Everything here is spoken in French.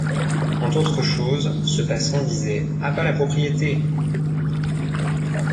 Entre autres choses, ce passant disait: —« À bas la propriété!